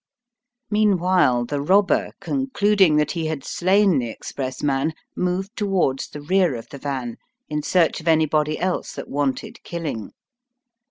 Meanwhile the robber, concluding that he had slain the express man, moved towards the rear of the van in search of anybody else that wanted killing.